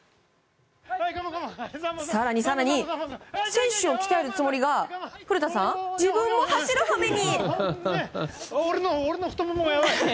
更に更に選手を鍛えるつもりが自分も走る羽目に。